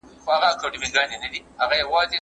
که کتاب ولولې نو په کیسه به پوه شې.